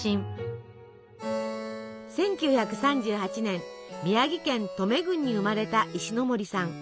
１９３８年宮城県登米郡に生まれた石森さん。